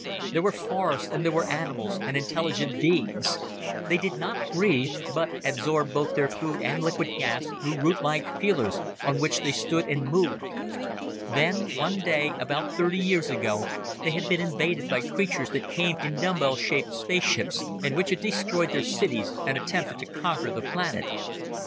There were forests and there were animals and intelligent beings. They did not breathe, but absorbed both their food and liquid gas through rootlike feelers on which they stood and moved. Then one day, about thirty years ago, they had been invaded by creatures that came in dumbbell shaped spaceships, and which had destroyed their cities, and attempted to conquer the planet.